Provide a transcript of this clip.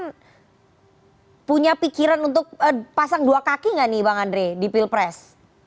pdip itu kan punya pikiran untuk pasang dua kaki nggak nih bang andre di pilpres